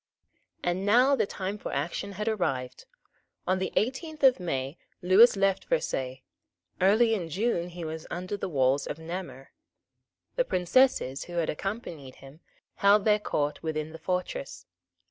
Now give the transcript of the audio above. And now the time for action had arrived. On the eighteenth of May Lewis left Versailles; early in June he was under the walls of Namur. The Princesses, who had accompanied him, held their court within the fortress.